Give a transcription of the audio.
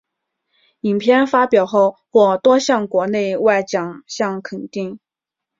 影片发表后获多项国内外奖项肯定。